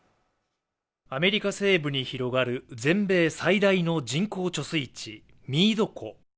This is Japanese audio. アメリカ西部に広がる全米最大の人工貯水池ミード湖